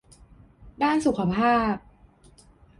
ด้านสุขภาพ